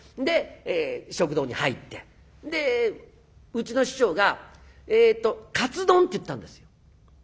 で食堂に入ってうちの師匠が「えっとカツ丼」って言ったんですよ。